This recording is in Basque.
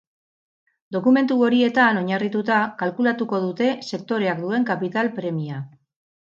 Dokumentu horietan oinarrituta kalkulatuko dute sektoreak duen kapital premia.